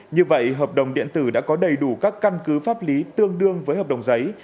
như vậy hợp đồng điện tử đã có đầy đủ các căn cứ pháp lý tương đương với hợp đồng giấy